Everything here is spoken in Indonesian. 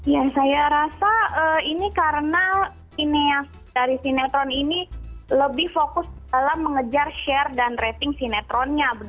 ya saya rasa ini karena dari sinetron ini lebih fokus dalam mengejar share dan rating sinetronnya